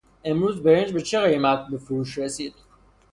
امروز برنج به چه قیمت به فروش رسید؟